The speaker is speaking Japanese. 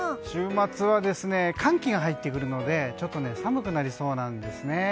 週末は、寒気が入ってくるのでちょっと寒くなりそうなんですね。